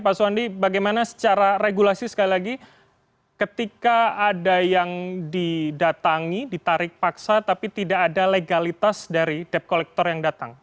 pak suwandi bagaimana secara regulasi sekali lagi ketika ada yang didatangi ditarik paksa tapi tidak ada legalitas dari debt collector yang datang